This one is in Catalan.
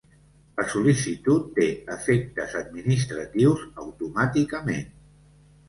La sol·licitud té efectes administratius automàticament.